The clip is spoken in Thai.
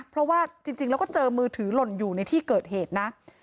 เพราะว่าจริงแล้วก็เจอมือถือหล่นอยู่ในที่เกิดเหตุนะ